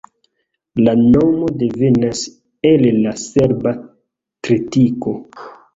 La nomo devenas el la serba tritiko.